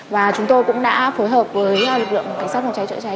và chúng tôi cũng đã phối hợp với lực lượng cảnh sát phòng cháy chữa cháy